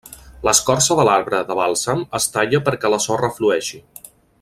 L'escorça de l'arbre de bàlsam es talla perquè la sorra flueixi.